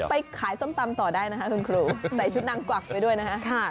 ไปขายส้มตำต่อได้นะคะคุณครูใส่ชุดนางกวักไปด้วยนะฮะ